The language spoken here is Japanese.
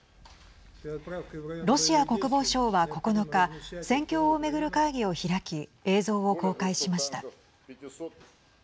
ロシア国防省は９日戦況を巡る会議を開き映像を公開しました。